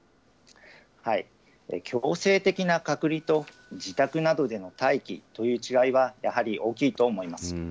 強制的な隔離と、自宅などでの待機という違いはやはり大きいと思います。